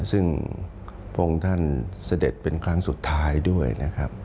ซึ่งพระองค์ท่านเสด็จเป็นครั้งสุดท้ายด้วยนะครับ